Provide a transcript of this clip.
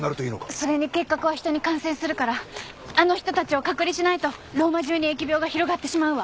それに結核は人に感染するからあの人たちを隔離しないとローマ中に疫病が広がってしまうわ